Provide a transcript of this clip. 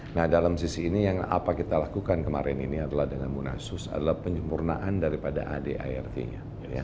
nah dalam sisi ini yang apa kita lakukan kemarin ini adalah dengan munasus adalah penyempurnaan daripada adart nya